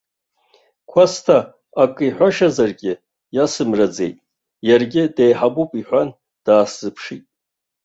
Кәасҭа акы иҳәашазаргьы иасымраӡеит, иаргьы деиҳабуп иҳәан даасзыԥшит.